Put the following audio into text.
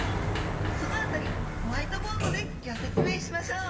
その辺りホワイトボードでギョ説明しましょう！